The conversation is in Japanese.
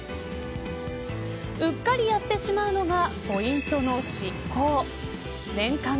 うっかりやってしまうのがポイントの失効。